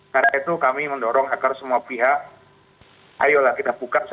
karena itu kami mendorong agar semua pihak ayolah kita buka sama sama